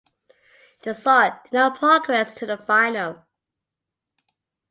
The song did not progress to the final.